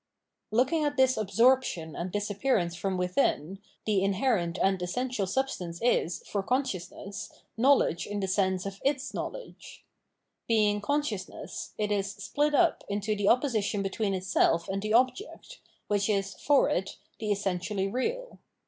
Looking at this absorption and disappearance from The "Beautiful Soul" 667 within, the inherent and essential substance is, for consciousness, knowledge in the sense of its knowledge. Being consciousness, it is split up into the opposition between itself and the object, which is, for it, the essentially real.